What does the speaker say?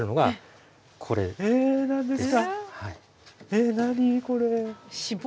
え何これ？